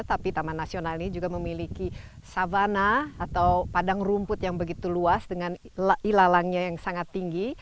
tapi taman nasional ini juga memiliki savana atau padang rumput yang begitu luas dengan ilalangnya yang sangat tinggi